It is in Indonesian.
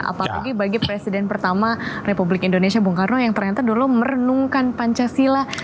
apalagi bagi presiden pertama republik indonesia bung karno yang ternyata dulu merenungkan pancasila